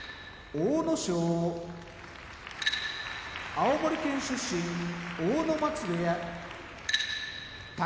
青森県出身阿武松部屋宝